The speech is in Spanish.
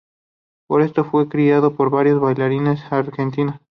Por esto fue criticado por varios bailarines argentinos.